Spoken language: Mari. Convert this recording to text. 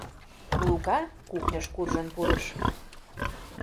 Лука кухньыш куржын пурыш.